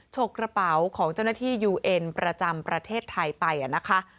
ฉกกระเป๋าของเจ้าหน้าที่ยูเอ็นประจำประเทศไทยไปนะคะ